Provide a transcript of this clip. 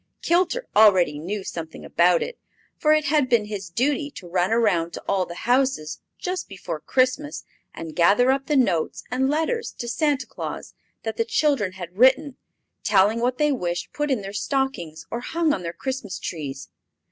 Kilter already knew something about it, for it had been his duty to run around to all the houses, just before Christmas, and gather up the notes and letters to Santa Claus that the children had written, telling what they wished put in their stockings or hung on their Christmas trees.